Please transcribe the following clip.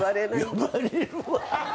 呼ばれるわ。